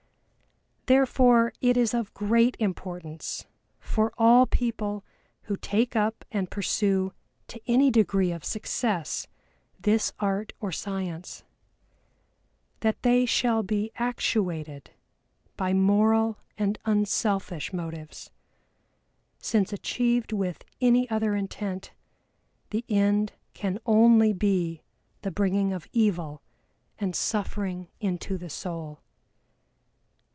Therefore it is of great importance for all people who take up and pursue to any degree of success this Art or Science, that they shall be actuated by moral and unselfish motives, since achieved with any other intent the end can only be the bringing of evil and suffering into the soul.